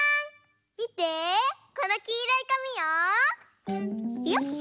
みてこのきいろいかみをいくよ